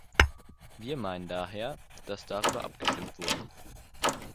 Wir meinen daher, dass darüber abgestimmt wurde.